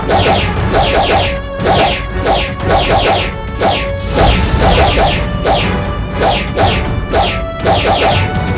aku akan lakukan